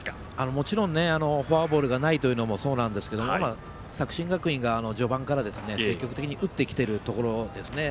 もちろんフォアボールがないというのもそうなんですけど作新学院が序盤から積極的に打ってきているところですね。